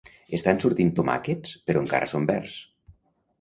Estan sortint tomàquets però encara són verds